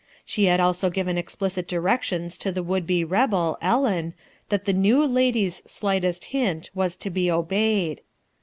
She had also given explicit directions to the would be rebel, Ellen that the "new lady's " slightest hint was to be obeyed.